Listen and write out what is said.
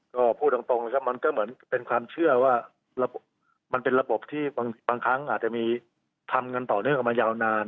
ก็พูดตรงนะครับมันก็เหมือนเป็นความเชื่อว่ามันเป็นระบบที่บางครั้งอาจจะมีทำกันต่อเนื่องมายาวนาน